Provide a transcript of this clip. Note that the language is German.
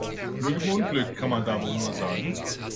Glück im Unglück, kann man da wohl nur sagen.